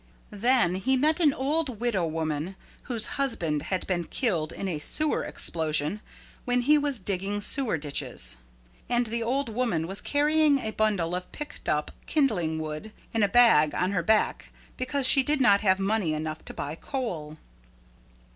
Then he met an old widow woman whose husband had been killed in a sewer explosion when he was digging sewer ditches. And the old woman was carrying a bundle of picked up kindling wood in a bag on her back because she did not have money enough to buy coal.